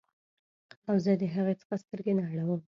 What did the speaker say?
او زه د هغې څخه سترګې نه اړوم